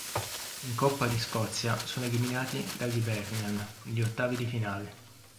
In coppa di Scozia sono eliminati dall'Hibernian, negli ottavi di finale.